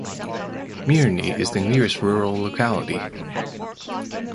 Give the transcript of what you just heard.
Mirny is the nearest rural locality.